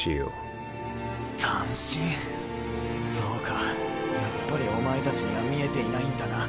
そうかやっぱりお前たちには視えていないんだな。